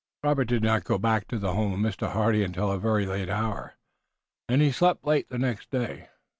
Robert did not go back to the home of Mr. Hardy, until a very late hour, and he slept late the next day.